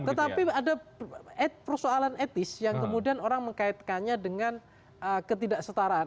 tetapi ada persoalan etis yang kemudian orang mengaitkannya dengan ketidak setaraan